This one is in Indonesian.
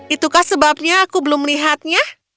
itukah sebabnya aku belum melihatnya